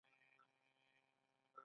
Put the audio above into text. د ایران مطبوعات فعال دي.